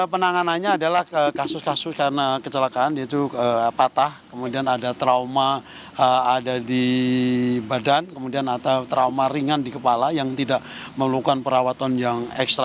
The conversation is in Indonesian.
penanganannya adalah kasus kasus karena kecelakaan itu patah kemudian ada trauma ada di badan kemudian atau trauma ringan di kepala yang tidak memerlukan perawatan yang ekstra